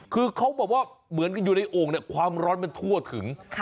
เค้าบอกเหมือนกันอยู่ในโองความร้อนทั่วถึง